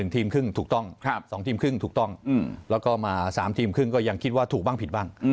ทีมครึ่งถูกต้อง๒ทีมครึ่งถูกต้องแล้วก็มา๓ทีมครึ่งก็ยังคิดว่าถูกบ้างผิดบ้าง